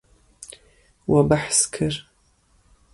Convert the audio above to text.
We behs kir.